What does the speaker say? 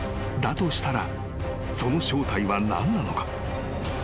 としたらその正体は何なのか？］